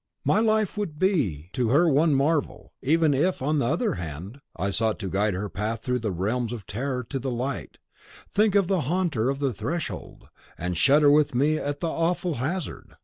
My life would be to her one marvel. Even if, on the other hand, I sought to guide her path through the realms of terror to the light, think of the Haunter of the Threshold, and shudder with me at the awful hazard!